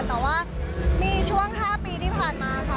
แต่ว่ามีช่วง๕ปีที่ผ่านมาค่ะ